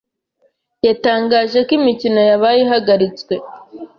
yatangaje ko imikino yabaye ihagaritswe